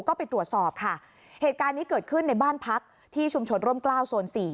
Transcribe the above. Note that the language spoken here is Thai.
ก็ไปตรวจสอบค่ะเหตุการณ์นี้เกิดขึ้นในบ้านพักที่ชุมชนร่มกล้าวโซนสี่